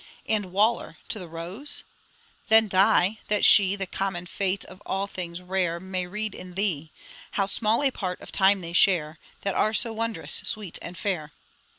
And Waller to the rose 'Then die! that she The common fate of all things rare May read in thee. How small a part of time they share, That are so wondrous sweet and fair!'